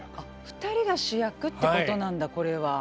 ２人が主役ってことなんだこれは。